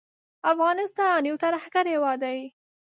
افغانستان یو ترهګر هیواد دی